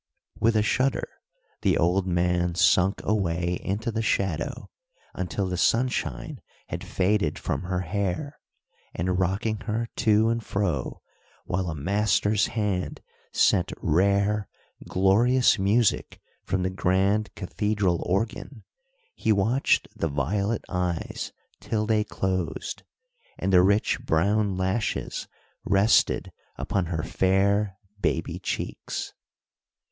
With a shudder, the old man sunk away into the shadow until the sunshine had faded from her hair, and rocking her to and fro, while a master's hand sent rare, glorious music from the grand cathedral organ, he watched the violet eyes till they closed, and the rich brown lashes rested upon her fair baby cheeks.